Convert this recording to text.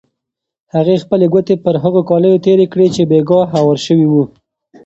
هغې خپلې ګوتې پر هغو کالیو تېرې کړې چې بېګا هوار شوي وو.